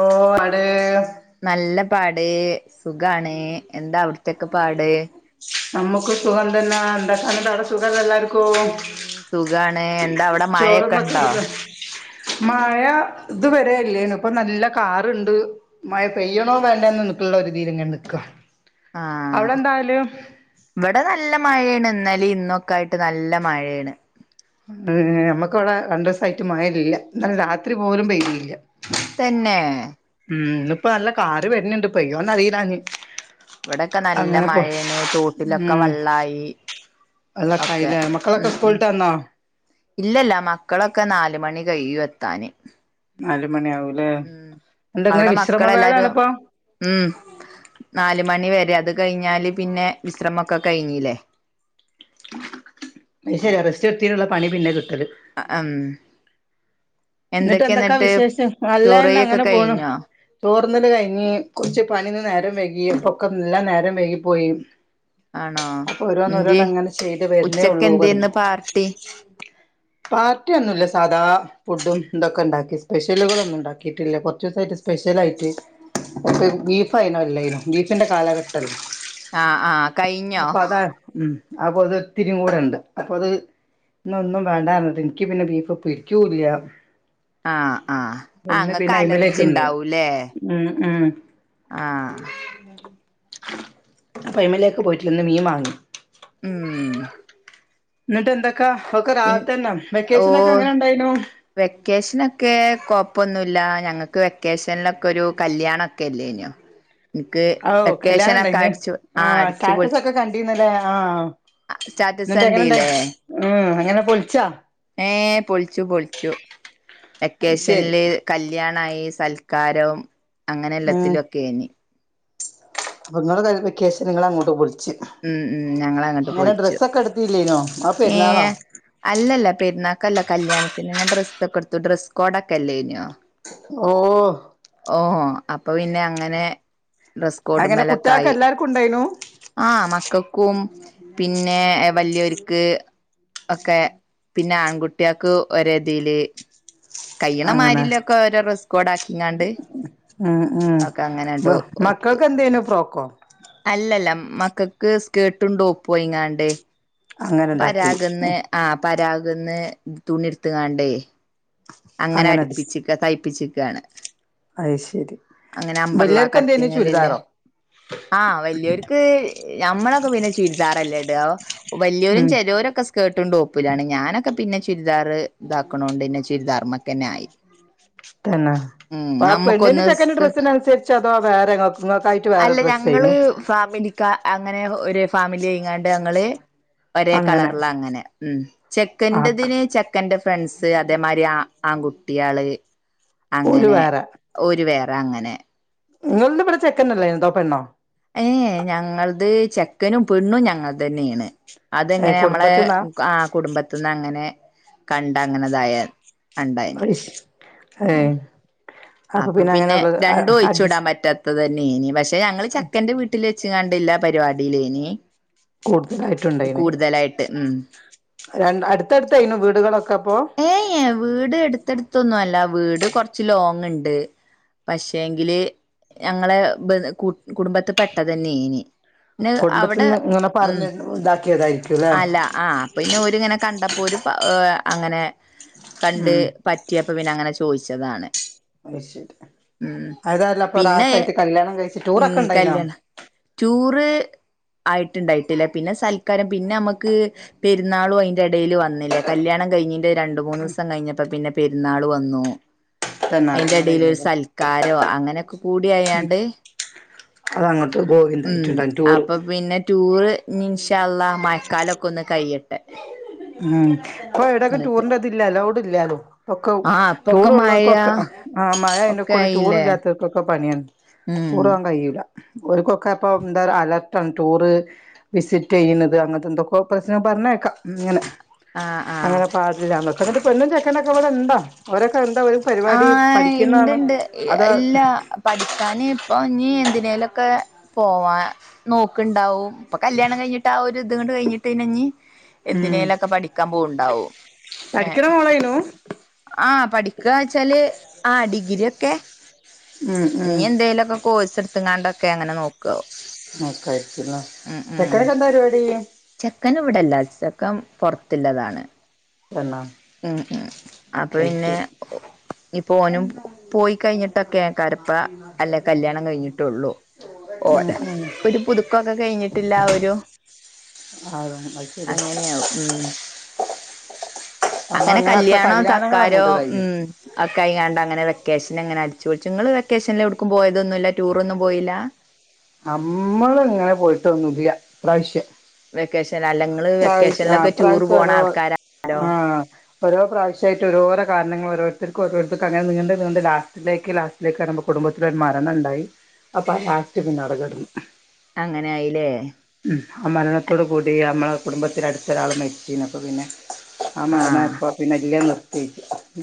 ഓ അട് നല്ല പാട് സുഖാണ് എന്താ അവിടത്തൊക്കെ പാട് നമുക്ക് സുഖം തന്നെ എന്താടെ സുഖം എല്ല ക്ക ഉം സുഖാണ് എന്താ അവിടെ മഴയൊക്കെ ഉണ്ടോ ചോറന്നൊക്കെല്ല മഴ ഇത്വരെല്ലേന ഇപ്പ നല്ല കാറുണ്ട് മഴ പെയ്യണോ വേണ്ടന്ന് നി ഉള്ള ഒരു രീതിങ്ങ നിക്ക ആഹ് അവിടെ എന്തായാലും ഇവിടെ നല്ല മഴയാണ് ഇന്നലെ ഇന്നൊക്കെ ആയിട്ട് നല്ല മഴയാണ് നമ്മുക്കിവിടെ രണ്ടു ദെവസയിട്ട് മയലില്ല ഇന്നലെ രാത്രി പോലും പെയ്യ്തില്ല തന്നെ ഉം ഇന്നിപ്പോ നല്ല കാറി വെരിണിണ്ട് പെയ്യൊന്ന് അറിയില്ലാഞ്ഞി ഇവിടെക്കെ നല്ല മഴയണ് തോട്ടിലൊക്കെ വെള്ളായി വെള്ളയൊക്കെ ആയില്ലേ മക്കളൊക്കെ സ്കൂളിൾവിട്ട് വന്നോ ഇല്ലയില്ല മക്കളൊക്കെ നാല് മണി കഴിയും എത്താന് നാല് മണിയാവൂലേ ഉം എന്താ ഇങ്ങനെ അവിടെ മക്കളെല്ലാരും വിശ്രമവേളാണിപ്പോ ഉം നാല് മണി വരെ അത്- കഴിഞ്ഞാല് പിന്നെ വിശ്രമൊക്കെ കഴിഞ്ഞല്ലേ അത് ശരി റസ്റ്റ് എടുത്തിതിനുള്ള പണി പിന്നെ കിട്ടല് ആ ആ ഉം എന്നിട്ട് എന്തൊക്കാ വിശേഷം നല്ലന്നെ ചോറയ്യൊക്കെ അങ്ങനെ പോണം കഴിഞ്ഞോ ചോർ- പെട്ടന്ന് തന്നെ കഴിഞ്ഞ് കുറച്ച് പണിന്ന് നേരം വൈകും ഒക്കെ യെല്ലാം നേരം വൈകി പോയി ആണോ അപ്പൊ ഓരോന്ന് എന്ത്യേ ഓരോന്ന് അങ്ങനെ ചെയ്ത് വരുന്നേ ഉച്ചക്ക് ഉള്ളൂ വ- എന്തേന്ന് പാർട്ടി പാർട്ടി ഒന്നുംയില്ല സാധാ ഫുഡും ഇതൊക്കെ ഉണ്ടാക്കി സ്പെഷ്യലുകളൾ ഒന്നും ഉണ്ടാക്കിട്ടില്ല കൊറച്ച് ദെവസമായിട്ട്- സ്പെഷ്യൽ ആയിട്ട് ഇപ്പ ബീഫ് ആയനോ അല്ലനും ബീഫിന്റെ കാലഘട്ടല്ലോ ആഹ് ആഹ് കഴിഞ്ഞോ അപ്പൊ അതാണ് ഉം അപ്പൊ അത് ഇത്തിരി കൂടെണ്ട് അപ്പൊ അത് ഇന്ന് ഒന്നും - വേണ്ടന്ന് പറഞ്ഞിട്ട് എനിക്ക് പിന്നെ ബീഫ് പിടിക്കുയില്ല ആഹ് ആഹ് ആ അങ്ങക്ക് അയിമലേക്ക് അലർജി നിന്നില്ല ഉണ്ടാവൂല്ലേ ഉം ഉം ആഹ് അപ്പൊ എമ്മ [unintelligible] എലേക്കക്ക് പോയിട്ടില്ലന്ന് നീ വാങ്ങി ഉം എന്നിട്ടെന്താ പിൻ ഓഹ് എങ്ങനെ ഉണ്ടായിനു വെക്കേഷനൊക്കെ പ്പൊന്നുല്ല ഞങ്ങൾക്ക് വെക്കേഷനിലൊക്കെ ഒരു കല്യാണ ഒക്കെല്ലേനു ഓഹ് കല്യാണംണ്ട ഇന് ആ ആഹ് അടിച്ചു പൊളിച്ചു സ്റ്റാറ്റസൊക്കെ കണ്ടീനല്ലേ ആഹ് സ്റ്റാറ്റസ് എന്നിട്ട് എങ്ങനെണ്ട് കണ്ടീല്ലേ ഉം അങ്ങനെ പൊളിച്ചാ ഏഹ് പൊളിച്ചു പൊളിച്ചു അത് ശരി വെക്കേഷനില് കല്യാണം യി സൽക്കാരവും അങ്ങനെ എല്ലാത്തിലും ഒക്കെനി നിങ്ങള വെക്കേഷൻ നിങ്ങളങ്ങോട്ട് പോയി ഉം ഉം ഞങ്ങളങ്ങട്ട് പൊളിച്ചു ഡ്രസ്സൊക്കെ എടുത്തില്ലേനോ ആ പെരുന്നാളോ ഏഹ് അല്ലല്ല പെരുന്നാക്കല്ല കല്യാണത്തിന് ഞാൻ ഡ്ര കൊടുത്ത് ഡ്രസ് കോഡൊക്കെല്ലേ ഇനോ ഓഹ് ഓഹോ അപ്പൊ പിന്നെ അങ്ങനെ ഡ്രസ്കോഡ് അങ്ങനെ കുട്ടികൾക്ക് മെലക്കായി എല്ലാർക്കും ഉണ്ടായിനു ആഹ് മക്കൾക്കും പിന്നെ വലിയോര്ക്ക് ഒക്കെ പിന്നെ ആൺകുട്ടികക്ക് ഒരേ ഇതീല് കൈയ്ണ അങ്ങനെ മാരില്ല ഒക്കെ ഓരോ ഡ്രസ്സ് കോഡ് ആക്കിങ്ങാണ്ട് ഉം ഉം ഒത്തു മക്കൾക്ക് എന്തേനും ഫ്രോക്കോ അല്ലല്ല മക്കൾക്ക് സ്കേർട്ടും ടോപ്പും ഒയിങ്ങാണ്ട് അങ്ങനെ ഉണ്ടാക്കി പരാഗ് ന്ന്ആഹ് പരാഗ അതൊന്ന് തുണി എടുത്ത്ങ്ങാണ്ടേ അങ്ങനെ അടുപ്പിച്ച് തൈപ്പ അത് ശരി അങ്ങനെ അമ്പർലാ വല്ല്യോർക്ക് എന്തേനി കട്ടിങ്ങലില്ലേ ചുരിദാറോ ആഹ് വലിയോർക്ക് ഞമ്മളൊക്കെ പിന്നെ ചുരിദാറല്ലേ വലിയരും ഉം ചെലോരൊക്കെ സ്കേർട്ടും ടോപ്പിലാണ് ഞാനൊക്കെ പിന്നെ ചുരിദാർ ഇതാക്കണോണ്ട്ന്നെ ചുരിദാർമ്മക്കന്നെ ആയി തന്ന ഉം ആ പെണ്ണ്ടിന്റെ നമ്മുക്കൊന്ന് ചെക്കന്റെ സ്കേർട്ട് ഡ്രസ്സന് അനുസരിച്ച അതോ വേറെങ്ങങ്ങക്കായിട്ട് വേറെ അല്ല ഡ്രസ്സായിനു ഞങ്ങള് ഫാമിലിക്കാ അങ്ങനെ ഒരു ഫാമിലിയിങ്ങാണ്ട് ഞങ്ങള് ഒരേ അങ്ങനെ കളറില അങ്ങനെ ഉ ആക്ക് ചെക്കറതിന് ചെക്കന്റെ ഫ്രണ്ട്സ് അതേമാരി ആ ആൺകുട്ടികള് ഓല് അങ്ങനെ ഒരു വേറെ അങ്ങനെ നിങ്ങള ഇവിടെ ചെക്കനല്ലേ എന്തോപ്പണ്ണോ ഏ ഞങ്ങളത് ചെക്കനും പെണ്ണും ഞങ്ങൾ തന്നെയാണ് ഏ അതെങ്ങനെ നമ്മളെ കുടുംബത്ത്ന്നാ ആ കുടുംബത്തി നിന്ന് അങ്ങനെ കണ്ട അങ്ങനെതായ അണ്ടായിനി അയ്ശ് ഏ ഉ അപ്പൊ പിന്നെ അങ്ങനെള്ളത് അ രണ്ടും ഒഴിച്ചു വിടാൻ അഡ്ജസ്റ്റ് പറ്റാത്തത് പിന്നനി പക്ഷെ ഞങ്ങള് ചെക്കന്റെ വീട്ടിൽ വെച്ച കണ്ടില്ല പരിപാടിയിലേനി കൂടുതലായിട്ടുംണ്ടായിനെ കൂടുതലായിട്ട് ഉം രണ്ട് അടുത്തടുത്തയിനു വീടുകളൊക്കെപ്പോൊ അത്തെടുത്തൊന്നും അല്ല വീട് കൊറച്ച് ലോങ് ഉണ്ട് പക്ഷേങ്കില് ഞങ്ങളെ കുടുംബത്തി പെട്ട തന്നെന് പിന്ന അവിടെ കുടുംബത്തിന്ന് ഇങ്ങനെ ഉം പറഞ്ഞ് ഇതാക്കിയതായിരിക്കുംല്ലേ അല്ല ആ അപ്പൊ പിന്നെ ഒരുങ്ങനെ കണ്ടപ്പോ ഒരു ഏ അങ്ങനെ കണ്ട് ഉം പറ്റിയപ്പോ പിന്നെ അങ്ങനെ ചോദിച്ചതാണ് അ ശരി ഉം അതായല്ല അപ്പൊ പിന്നെ രാത് ആയിട്ട് കല്യാണം കഴിച്ച ഉം കല്യാണം ചൂറ് ആയിട്ടുണ്ടായിട്ടില്ല പിന്നെ സൽക്കാരം പിന്നെ നമുക്ക് പെരുന്നാളും അതിന്റെ ഇടൽ വന്നില്ല കല്യാണം കഴിഞ്ഞി് രണ്ട മൂന്ന്ു ദിവസം കഴിഞ്ഞപ്പോ പിന്നെ പെരുന്നാൾ വന്നു തന്നെ അയിറെടൽ ഒരു അങ്ങനെയായിരുന്നല്ലേ സൽക്കാരോ അങ്ങനെയൊക്കെ കൂടിിയയാാണ്ട് അതങ്ങോട്ട് ഉം ഗോവിന്ദായിട്ടുണ്ടാവും ടൂറ് അപ്പൊ പിന്നെ ചൂറ് മൻഷള്ള മഴക്കാലൊക്കെ ഒന്ന് കൈയിട്ടും ഉം ഇപ്പൊ എവിടയൊക്കെ എന്നിട്ട് ടൂറിന്റെ ഇതി ഇല്ലാലോ വിട ഇല്ലാലോ ഒക്കെ ആഹ് അപ്പൊക്കെ മഴ ടൂറള്ളവർക്കൊക്കെ ആ മഴ അന്റെ ഒക്കെ കൂടെ ആയില്ലേ ടൂറിൽില്ലാത്തവർക്കൊക്കെ പിയ ഉം കൂറവാൻ കഴിയില്ല ഒരുക്കൊക്കെ അപ്പൊ എന്താ അലർട്ട് ടൂറ് വിസിറ്റ് ചെയ്യണുന്നത് അങ്ങനത്തെ എന്തൊക്കെ പ്രശ്നം പറഞ്ഞേക്കാം ഇങ്ങനെ ആഹ് ആഹ് അങ്ങനെ പാില്ലക്ക എന്നിട്ട് പെണ്ും ചെക്കനൊക്കെ പോലെ ഉന്തോ ഓര ആഹ ഇണ്ട്ണ്ട് അതാ ഇല്ല പഠിക്കാന് അപ്പോൾ ഇനിനി എന്തിനേലൊക്കെ പോവാൻ നോക്കുണ്ടാവും ഇപ്പൾ കല്ല്യാണം കഴിഞ്ഞിട്ട് ആ ഒരു അതുകൊണ്ട് കഴിഞ്ഞിട്ട്ഞ്ഞഞ് ഉം എന്തിനേലൊക്കെ പഠിക്കാൻ പോണ്ടാവും ഏ പഠിക്കണ മോളായിനു ആഹ പഠിക്കുക വച്ചാല് ആഹ ഡിഗ്രി ഒക്കെ ഉം ഇനി ഉം എന്തേലുമൊക്കെ കോഴസ് എടുത്ത്ങ്ങാണ്ടൊക്കെ അങ്ങനെ നോക്കുവോ ആ കഴിച്ചല്ലോ പെക്കനക്കെ എന്താ പരിപാടി ചെക്കന് ഇവിടെല്ല ചക്കൻ പൊറത്തിുള്ളതാണ് പെണ്ണോ ഉം ഉം അപ്പൊ പിന്നെ ഇപ്പോ നും പോയി കഴിഞ്ഞിട്ടൊക്കെ കരപ്പ അല്ലെ കല്യാണം കഴിഞ്ഞിട്ടുള്ളു ഓ ഉം ഉം ഒരു പുതുക്കൊക്കെ കഴിഞ്ഞിട്ടില്ല ഒരു ആഹ് അത് ശരി അങ്ങനെയാവും ഉം അപ്പൊ അങ്ങനെ അങ്ങനൊക്കെ കല്യാണോ കല്യാണങ്ങൾ ചക്കാരോ അങ്ങോട്ട് കഴിഞ്ഞു ഉം കഴങ്ങാണ്ട അങ്ങനെ വെക്കേഷൻ എങ്ങനെ അടിച്ചുോളിച്ചു നിങ്ങങ്ങള് വെക്കേഷനിൽ എടടുക്കും പോയതൊന്നും ഇല്ല ടൂറൊന്നും പോയില്ല നമ്മള ഇങ്ങനെ പോയിട്ട് വന്നു ഇതി പ്രാവശ്യം വെക്കശ പ്രൈസ് ആ പ്രൈസ് ആൾക്കാരാണല്ലോ ആ ഓരോ പ്രാവശ്യമായിട്ട് രോരോ കാരണങ്ങൾ ഓരോ ഇത്തർക്കക്ക് ഓരോത്തർ അങ്ങനെ നീണ്ട്ീണ്ട് ലാസ്റ്റിലേക്ക് ലാസ്റ്റിലേക്ക് വറുമ്പോ കുടുംബത്തിലൽ ഒരു മരണം ഉണ്ടായി അപ്പൊ ആ ലാസ്റ്റ് പിന്നെ- അങ്ങനെ ആായില്ലേ? ഉം ആ മരണത്തോടു കൂടി നമ്മളെ കുടുംബത്തിലാടുതൊരാൾ മരിച്ചീനി അപ്പൊ പിന്നെ- ആ മരണ ആഹ് ഇപ്പ പിന്നെ ഇല്ല-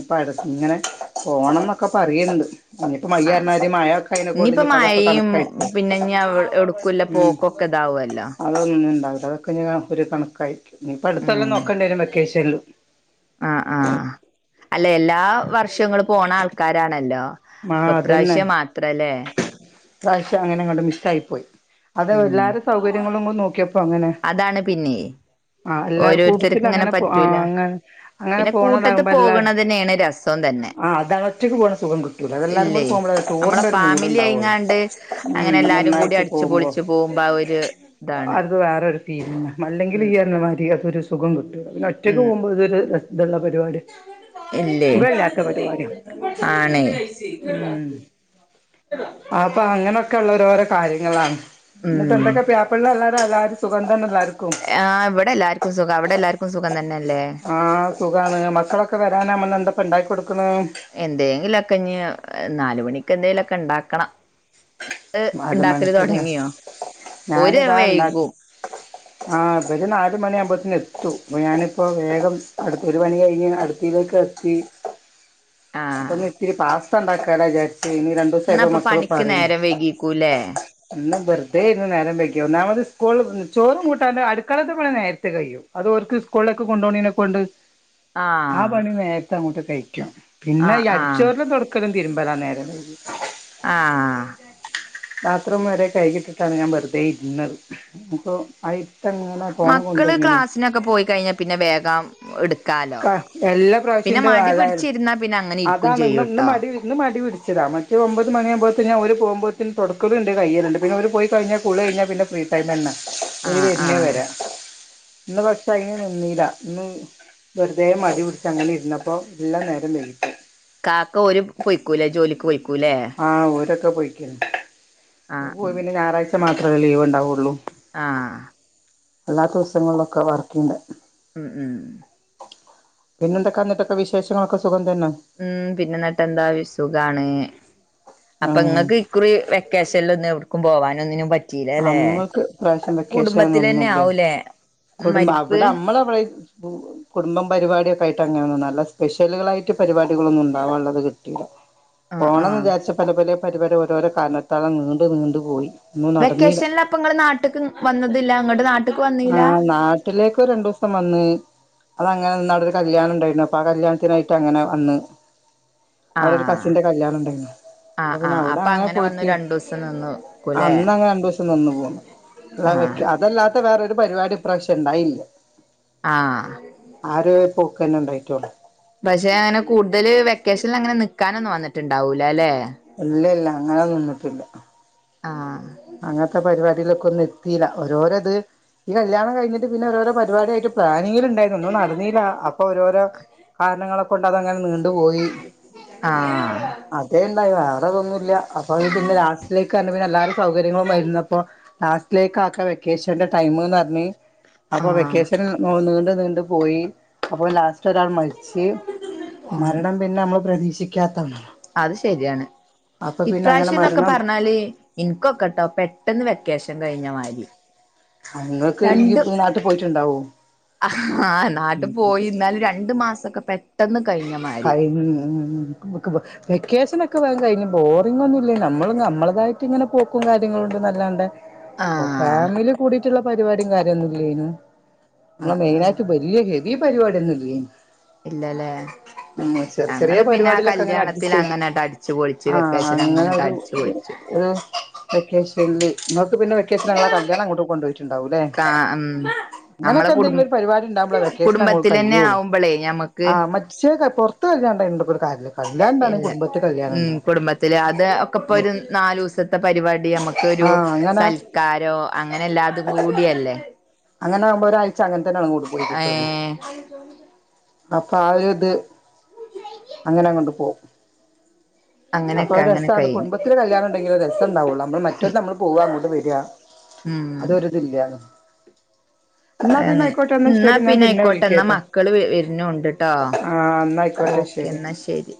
ഇപ്പ അടത്ത് ഇങ്ങനെ പോണം ന്നൊക്കെ പറയ്ണ്ട്. അ ഇനി ഇപ്പൊ ആഹ് മയ്യറിഞ്ഞാതി മഴൊക്കെ അയിനെകൊണ്ട് ഇനിയിപ്പ ഇനി ഇപ്പതൊക്കെ മഴയും കണക്കാരിക്കും പിന്നെ ഇനി എവിടക്കുല്ല ഉം. പോക്കൊക്കെ ഇതാവല്ലോ അതൊന്നുണ്ടാവില്ല അതൊക്കെ ഇനി ആഹ് ഒരു കണക്കായി. ഇനിപ്പ അടുത്തോല്ലാം ഉം നോക്കണ്ടിവരും വെക്കേഷലും അല്ലേ എല്ലാ വർഷങ്ങള് പോണ ആൾക്കാരാണല്ലോ. ആ അപ്പൊ അതന്നെ പ്രാശെ മാത്രല്ലേ. ഇപ്രാവശ്യം അങ്ങനെ അങ്ങോട്ട് മിസ്സായി പോയി അത് ഉം പിള്ളാർടെ സൗകര്യങ്ങളുംകൂട് നോക്കിയപ്പോ അങ്ങനെ അതാണ് പിന്നെ ആ എല്ലാവരും കൂട്ടത്തിൽ ഓരോരുത്തർക്കും ഇങ്ങനെ അങ്ങനെ പോ ആ പറ്റൂല അങ്ങനെ അങ്ങനെ പിന്നെ കൂട്ടത്തി പോകണതാകുമ്പോൾ എല്ലാവരും പോകണതിനെയാണ് രസം തന്നെ ആ അതൾ ഒറ്റക്ക് പോകണ സുഖം കിട്ടൂല്ലാ ഇല്ലേ നമ്മളെ ഫാമിലി അയിങ്ങാണ്ട് ഉം അങ്ങനെ എല്ലാരും കൂടി നന്നായിട്ട് പോകുമ്പോൾ അടിച്ചുപൊളിച്ച് പോമ്പം ഒരു ഇതാണ്. പിന്നന്താ അല്ലെങ്കിൽ ഉം ഈ പരണമാതി അതൊരു സുഖം കിട്ടൂല പിന്ന ഒറ്റക്ക് ഉം പോകുമ്പോൾ ഇതൊരു ഇതുള്ള പരിപാടി ഇല്ലേ സുഖല്ലാത്ത പരിപാടിയാ. ആണേ മ് അപ്പൊ അങ്ങനൊക്കെ ഉള്ള ഓരോരോ കാര്യങ്ങളാണ്. എന്നിട്ട് ഉം എന്തൊക്കെ പ്യാപ്പിള്ളാംല്ലാരുംല്ലാരും സുഗംതന്ന എല്ലരു ക്കും ആഹ് ഇവിടെ എല്ലാർക്കും സുഖം അവിടെ എല്ലാർക്കും സുഖം തന്നെയല്ലേ ആഹ് സുഗാണ് മക്കളൊക്കെ വര നമ്മ എന്താപ്പ ഉണ്ടാക്ക കൊടുക്കുന്നു എന്തെങ്കിലൊക്കെ ഇഞ്ഞ് നാല് മണിക്ക് എന്തെങ്കിലുഓക്കെ ഉണ്ടാക്കണം. എ നാല് ഉണ്ടാക്കൽ മണിക്കല്ലേ തുടങ്ങിയോ ഒര് ഞാനിതാ ഉണ്ടാക്കി വൈകും. ആഹ് ഇബല് നാല് മണിയാവുമ്പോത്തിന് എത്തു ആപ്പോ ഞാന്പ്പോ വേഗം അടുത്ത ഒരു പണി കയിഞ്ഞ് അടുപ്പിലേക്ക് ത്തി ആഹ് അപ്പൊന്നി ഇതിരി പാസ്ത ഉണ്ടാക്കാന വിചാരി ച്ച്കി രണ്ടുസായിട്ട് മക്കള് പറേനു. കുലെ ഇന്ന് വെറുതെ ഇരിന്ന് നേരം വൈകി ഒന്നാമത് സ്കൂൾ ചോറും കൂട്ടാനും അടുക്കളത്തെ പണി നേരത്തെ കയ്യും അത് ഓ ൽക്ക് സ്കൂളിലൊക്കെ കൊണ്ട് പോണേനെ കൊണ്ട് ആ ആഹ് പണി നേരത്തെ അങ്ങോട്ട് കഴിക്കും പിന്നെ ആഹ് ഈ അടിച്ച് ആഹ് വാരലും തൊടക്കലും തീരുമ്പോളാ നേരം വൈകിയത് ആഹ് ബാത്റൂമ് വരെ കഴുകിയിട്ടിട്ടാണ് ഞാൻ വെറുതെ ഇരുന്നത് ഇനിയിപ്പോ മക്കള് ക്ലാസ്സിനൊക്കെ പോയി കഴിഞ്ഞാൽ പിന്നെ വേഗം എടു ഇക്കാ എല്ലാ പ്രാവശ്യവും എന്റെ വാലായിരുന്നു പിടിച്ചിരുന്നാ പിന്നെ അങ്ങനെ ഇരിക്കും അതാണ് ഇന്ന് ഇന്ന് ചെയ്യൂട്ടോ മടി ഇന്ന് മടി പിടി- ച്ചതാ മറ്റേത് ഒമ്പത് മണിയാവുമ്പോഴത്തേന് ഓല് പോവുമ്പഴത്തേന് തൊടക്കലും ഉണ്ട് കഴുകലുമുണ്ട് പിന്നെ ഓല് പോയി കഴിഞ്ഞാ കുളി കഴിഞ്ഞാ പിന്നെ ഫ്രീ ടൈമ് തന്നേ ഓല് ആഹ് വരുന്നത് ആഹ് വരെ ഇന്ന് പക്ഷെ അതിന് നിന്നീല്ല ഇന്ന് വെറുതെ മടി പിടിച്ച് അങ്ങനെ ഇരുന്നപ്പോ എല്ലാം നേരം വൈകിപ്പോയി കാക്ക ഓര് പോയിക്കൂല്ല ജോലിക്ക് പോയി ആഹ് ഓരൊക്കെ പോയിക്കണ് ആഹ് ഓല് ഉം പിന്നെ ഞായറാഴ്ച മാത്രമല്ലേ ലീവ് ഉണ്ടാവുള്ളൂ. ആഹ് അല്ലാത്ത ദിവസങ്ങളിലൊക്കെ വർക്കുണ്ട് ഉം ഉം പിന്നെ എന്തൊക്കെ അങ്ങോട്ടൊക്കെ വിശേഷങ്ങളൊക്കെ സുഖ ഉം പിന്നന്നിട്ടെന്താ വി സുഖാണ് അപ്പൊ ആഹ് നിങ്ങക്ക് ഇക്കുറി വെക്കേഷനിലൊന്നും എവിടേക്കും പോവാനൊന്നിനും പ റ്റീലല്ലേ അമ്മക്ക് കുടുംബത്തിലെന്നെ ആവൂലെ കുടുംബം അവിടെ നമ്മള് അവിടെ കുടുംബം പരിപാടിയൊക്കെ ആയിട്ട് അങ്ങനൊന്നുമല്ല നല്ല സ്പെഷ്യലുകളായിട്ട് പരിപാടി കളൊന്നും ഉണ്ടാവാനുള്ളത് കിട്ടിയില്ല ആഹ് പോകണോന്ന് ആഹ് വിചാരിച്ച പല പല പരിപാടി ഓരോരോ കാരണത്താൽ നീണ്ടു നീണ്ടു പോയി ഒന്നും നടന്നീല്ല വെക്കേഷനിൽ അപ്പം ഇങ്ങള് നാട്ടക്ക് വന്നതില്ല ഇങ്ങട്ട് നാട്ട ആഹ് നാട്ടിലേക്ക് രണ്ടു ദിവസം വന്ന് അത് അങ്ങനെ നിന്ന് അവിടെ ഒരു കല്യാണം ഇണ്ടായിരുന്നു അപ്പൊ ആ കല്യാണത്തിന് പോയിട്ട് അങ്ങനെ അന്ന് അവിടെ ഒരു ആഹ് കസിന്റെ കല്യാണം ഉണ്ടായിരുന്നു ആഹ് അപ്പം പിന്നെ ആഹ് അവിടെ അപ്പൊ അങ്ങനെ വന്നു പോയിട്ട് രണ്ടൂസം നിന്നുക്കൂല്ലേ അന്ന് അങ്ങനെ രണ്ടുസം നിന്നു പോന്ന് അത വെ ആഹ് അതല്ലാത്ത വേറൊരു പരിപാടി ഇപ്രാവശ്യം ഇണ്ടായില്ല ആഹ് പോക്കന്നെ ഉണ്ടായിട്ടോള്ളൂ പക്ഷെ അങ്ങനെ കൂടുതല് വെക്കേഷനിൽ അങ്ങനെ നിക്കാനൊന്നും വന്നിട്ടുണ്ടാവൂലല്ലെ ഇല്ല ഇല്ല അങ്ങനെ നിന്നിട്ടില്ല ആഹ് അങ്ങനത്തെ പരിപാടിയിലൊക്കെ ഒന്നും എത്തില്ല ഓരോരത് ഈ കല്യാണം കഴിഞ്ഞട്ട് പിന്നെ രോ പരിപാടായിട്ട് പ്ര [unintelligible] നടന്നിലാ അപ്പോ ഓരോരോ കാരണങ്ങളെ കൊണ്ട് അത് അങ്ങനെ നീ ണ്ട് പോയി ആഹ് അതേ ഉണ്ടായി വേറെതൊന്നും ഇല്ല അപ്പൊ പിന്നെ ലാസ്റ്റിലേക്ക് പറഞ്ഞ് പിന്നെ എല്ലാരെ സൗകര്യങ്ങളമായിരുന്നുപ്പൊ ലാസ്റ്റിലേക്ക് ആക്ക വെക്കേഷന്റെ ടൈമ് എന്ന് പറഞ്ഞ് അപ്പൊ ആഹ് വെക്കേഷൻ നീണ്ട് നീണ്ട് പോയി അപ്പോ ലാസ്റ്റ് ഒരാൾ മരിച്ച് ഉം മരണം പിന്നെ നമ്മൾ പ്രതീക്ഷ ക്ഷിക്കത്താണ് അത് ശരിയാണ് അങ്ങനെ ഇപ്രാവശ്യം ഇന്നൊക്കെ മരണം പറഞ്ഞാല് എനിക്കൊക്കെട്ടോ പെട്ടെന്ന് വെ ക്കേഷൻ കഴിഞ്ഞ മാതിരി ആ ഇങ്ങക്ക് ഇയ്യ് നാട്ടിൽ പോയിട്ടുണ്ടാവോ ആഹ് നാട്ട് പോയി ഇന്നാലും രണ്ടു മാസം ഒക്കെ പെട്ടെന്ന് കഴിഞ്ഞ മാതിരി [unintelligible] വെക്കേഷൻ ഒക്കെ ഒക്കെ കഴിഞ്ഞ് ബോറിങ്ങും ഒന്നുമില്ലേ നമ്മൾ നമ്മളതായിട്ട് ഇങ്ങനെ പോക്കും കാര്യങ്ങളും ഇണ്ട് അല്ലാണ്ടെ അപ്പ ആഹ് ഫാമിലി കൂടിട്ടുള്ള പരിപാടിയും കാര്യം ഒന്നും ഇല്ലേയ്നു ആ നമ്മളെ ആ മെയിനായിട്ട് വലിയ ചെറിയ പരിപാടിയൊന്നും ഇല്ലേ ഇല്ലല്ലേ ഉം ചെറിയ ചെറിയ ഞങ്ങള് പിന്നെ ആ പരിപാടിയിലൊക്കെ അങ്ങനെ കല്യാണത്തിൽ അഡ്ജസ്റ്റ് ചെയ്ത് അങ്ങനെട്ട് അടിച്ചു പൊളിച്ച് ആഹ് വെക്കേഷൻ അങ്ങനെട്ട് അങ്ങനൊരു അടിച്ചു പൊളിച്ചു ആഹ് വെക്കേഷൻ അല്ലേ പിന്നെ വെക്കേഷൻ അങ്ങളെ കല്യാണം അങ്ങോട്ട് കൊണ്ട് പോയിട്ടുണ്ടാവൂല്ലേ കാ ഉം നമ്മളെ അങ്ങനൊക്കെ കുടും എന്തെങ്കിലും ഒരു പരിപാടി ഉണ്ടാവുമ്പോളോ വെക്കേഷൻ അങ്ങക്ക് കുടുംബത്തിലന്നെ കയ്യോള്ളൂ ആവുമ്പോളേ ഞമ്മക്ക് ആഹ് മ പുറത്തു വിടാണ്ട ഒരു കാര്യം അല്ലാ ഇല്ല ഉം കുടുംബത്തില് അത് ഒക്കെ ഇപ്പോ ഉം ഒരു നാലുസത്തെ പരിപാടി നമുക്ക് ക്കൊരു ആഹ് അങ്ങനെ സൽക്കാരോ അങ്ങനെ എല്ലാതും കൂടിയല്ലേ അങ്ങനെ ആകുമ്പോ ഒരാഴ്ച അങ്ങനെ തന്നെയാണ് കൂടെ പോയി ഏ കിട്ടുന്നത് അപ്പൊ ആ ഒരു ഇത് അങ്ങനെങ്ങണ്ട് പോം ആ അപ്പൊ രസാണ് കുടുംബത്തിന് കല്യാണണ്ടെങ്കില് രസം ഉണ്ടാവുള്ളൂ നമ്മള് മറ്റൊരുത്ത് നമ്മൾ പോവാ അങ്ങോട്ട് വരിക ഉം അതൊരിതില്ലാ അ അങ്ങനെ എന്നാ ശരി ഞാൻ പിന്നെ ആയിക്കോട്ടെ എന്നാ വിളിക്കേട്ടാ മക്കള് വരുന്ന് ഉണ്ട്ട്ടോ ആഹ് എന്നായിക്കോട്ടെ ഓഹ് ശരി എന്നാ ശരി